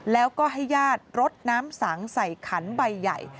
แล้วก็ให้ญาติรดน้ำสังใส่ขันใบใหญ่